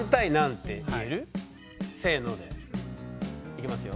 いきますよ。